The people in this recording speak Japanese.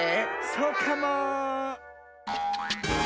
そうかも。